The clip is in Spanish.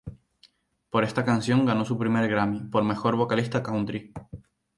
Por esta canción ganó su primer Grammy, por mejor vocalista country.